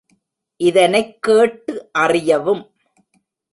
இதனைக் கேட்டு அறியவும்.